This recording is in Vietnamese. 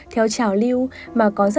theo trào lưu